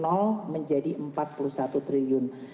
naik dari menjadi rp empat puluh satu triliun